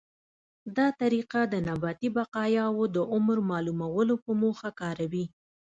دا طریقه د نباتي بقایاوو د عمر معلومولو په موخه کاروي.